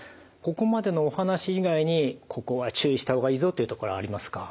ここまでのお話以外にここは注意した方がいいぞというところありますか？